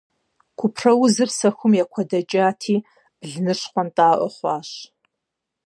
Купраузыр сэхум екуэдэкӏати, блыныр щхъуэптӏэӏуэ хъуащ.